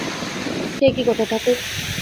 সে কী কথা ঠাকুর!